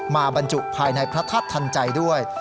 บรรจุภายในพระธาตุทันใจด้วย